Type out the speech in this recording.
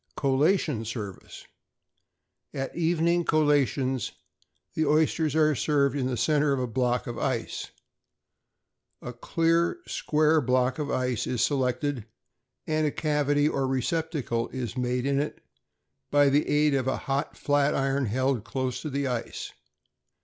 =Collation Service.= At evening collations, the oysters are served in the centre of a block of ice. A clear, square block of ice is selected, and a cavity or receptacle is made in it by the aid of a hot flat iron held close to the ice.